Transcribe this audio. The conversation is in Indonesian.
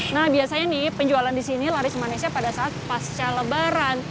nah biasanya nih penjualan di sini laris manisnya pada saat pasca lebaran